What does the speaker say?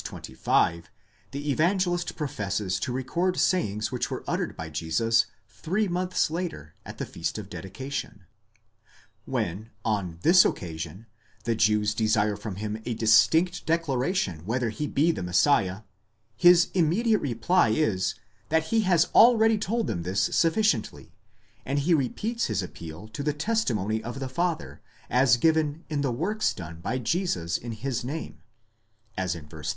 25, the Evangelist professes to record sayings which were uttered by Jesus three months later, at the Feast of Dedication. When, on this occasion, the Jews desire from him a distinct declaration whether he be the Messiah, his immediate reply is, that he has already told them this sufficiently, and he repeats his appeal to the testimony of the Father, as given in the works, ἔργα, done by Jesus in his name (as inv. 36).